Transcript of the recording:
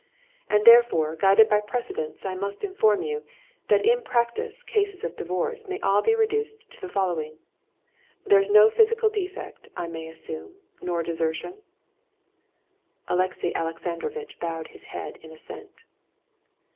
And therefore, guided by precedents, I must inform you that in practice cases of divorce may all be reduced to the following—there's no physical defect, I may assume, nor desertion?..." Alexey Alexandrovitch bowed his head in assent.